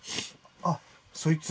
あっそいつ？